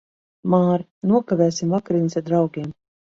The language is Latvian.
Māri, nokavēsim vakariņas ar draugiem.